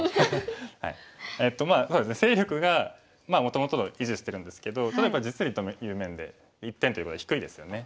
勢力がもともと維持してるんですけど実利という面で１点ということで低いですよね。